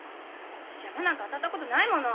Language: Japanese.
私ヤマなんか当たったことないもの。